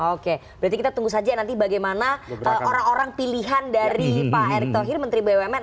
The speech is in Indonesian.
oke berarti kita tunggu saja nanti bagaimana orang orang pilihan dari pak erick thohir menteri bumn